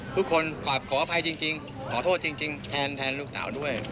คุณคนขอขอบความอภัยจริงขอโทษจริงแทนอุตส่าวด้วย